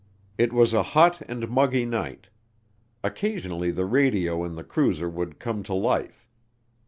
It was a hot and muggy night. Occasionally the radio in the cruiser would come to life.